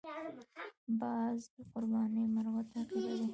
باز د قرباني مرغه تعقیبوي